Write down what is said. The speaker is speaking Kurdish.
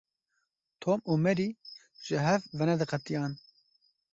Tom û Mary ji hev venediqetiyan.